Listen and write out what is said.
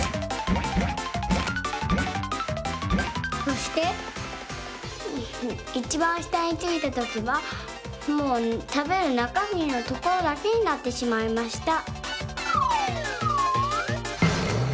そしていちばんしたについたときはもうたべるなかみのところだけになってしまいました。